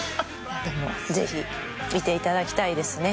でもぜひ見ていただきたいですね。